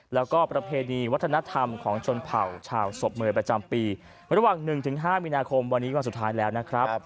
แล้วก็ประเพณีวัฒนธรรมของชนเผ่าชาวศพเมย์ประจำปีระหว่าง๑๕มีนาคมวันนี้วันสุดท้ายแล้วนะครับ